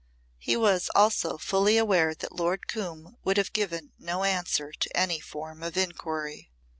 He was also fully aware that Lord Coombe would have given no answer to any form of inquiry.